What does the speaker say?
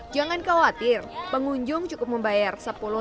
jangan khawatir pengunjung cukup membayar sepuluh rupiah